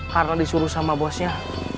karena disuruh sama bosnya